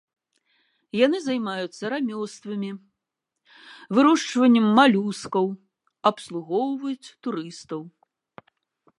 Яны займаюцца рамёствамі, вырошчваннем малюскаў, абслугоўваюць турыстаў.